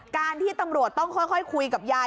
การที่ตำรวจต้องค่อยคุยกับยาย